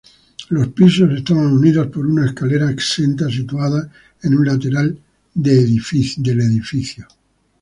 Los pisos estaban unidos por una escalera exenta situada en un lateral del edificio.